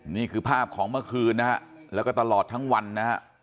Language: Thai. นี่คือภาพของเมื่อคืนนะฮะแล้วก็ตลอดทั้งวันนะฮะ